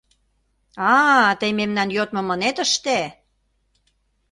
— А-а, тый мемнан йодмым ынет ыште!